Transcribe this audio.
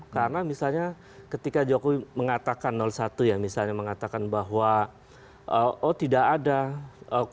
karena misalnya ketika jokowi mengatakan satu ya misalnya mengatakan bahwa oh tidak ada konflik